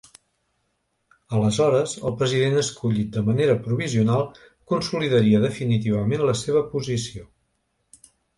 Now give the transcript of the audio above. Aleshores, el president escollit de manera ‘provisional’ consolidaria definitivament la seva posició.